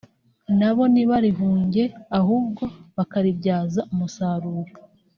nabo ntibarihunge ahubwo bakaribyaza umusaruro